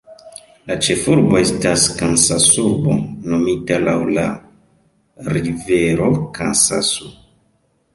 La ĉefurbo estas Kansasurbo, nomita laŭ la rivero Kansaso.